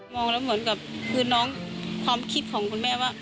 แล้วเหมือนกับคือน้องความคิดของคุณแม่ว่า